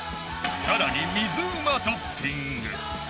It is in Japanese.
更に水うまトッピング。